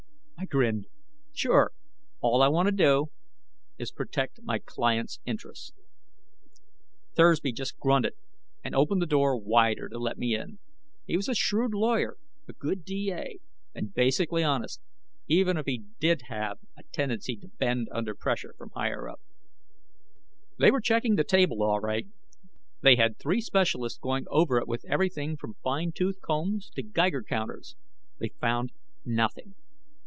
I grinned. "Sure. All I want to do is protect my client's interests." Thursby just grunted and opened the door wider to let me in. He was a shrewd lawyer, a good D.A., and basically honest, even if he did have a tendency to bend under pressure from higher up. They were checking the table, all right. They had three specialists going over it with everything from fine tooth combs to Geiger counters. They found nothing.